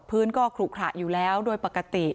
พื้นก็ขลุขระอยู่แล้วโดยปกติ